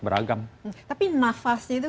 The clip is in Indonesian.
beragam tapi nafasnya itu